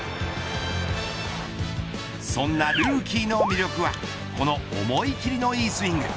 そんなルーキーの魅力はこの思い切りのいいスイング。